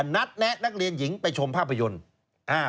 แนะนักเรียนหญิงไปชมภาพยนตร์